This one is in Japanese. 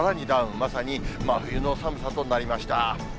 まさに真冬の寒さとなりました。